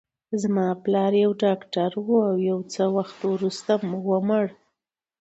زما پلار یو ډاکټر و، او یو څه وخت وروسته ومړ.